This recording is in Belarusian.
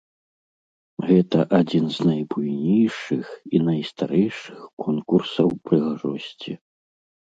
Гэта адзін з найбуйнейшых і найстарэйшых конкурсаў прыгажосці.